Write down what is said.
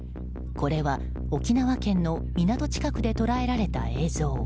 これは沖縄県の港近くで捉えられた映像。